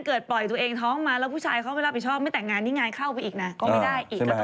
ปล่อยตัวเองท้องมาแล้วผู้ชายเขาไม่รับผิดชอบไม่แต่งงานนี่งานเข้าไปอีกนะก็ไม่ได้อีก